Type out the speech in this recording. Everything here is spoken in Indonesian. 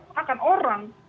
tak akan orang